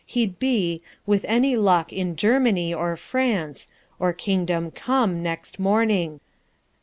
He'd be With any luck in Germany or France Or Kingdom come, next morning....